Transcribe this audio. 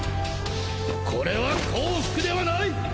これは降伏ではない！